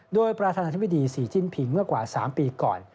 โดยประธานาธิบดีศรีจิ้นผิงเมื่อกว่า๓ปีก่อน